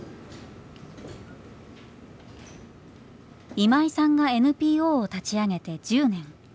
今井さんがＮＰＯを立ち上げて１０年。